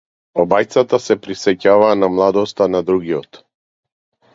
Обајцата се присеќаваа на младоста на другиот.